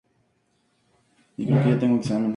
Recientemente ha sido restaurado.